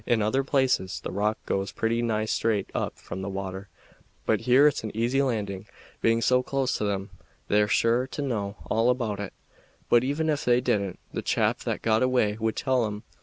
"In other places the rock goes pretty nigh straight up from the water, but here it's an easy landing. Being so close to 'em they're sure to know all about it; but even if they didn't, the chap that got away would tell 'em.